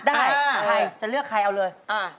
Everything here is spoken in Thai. ได้ใครจะเลือกใครเอาเลย